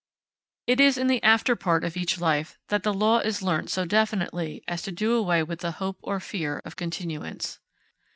It is in the after part of each life that the law is learnt so definitely as to do away with the hope or fear of continuance.